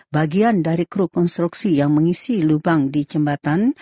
bagian dari kru konstruksi yang mengisi lubang di jembatan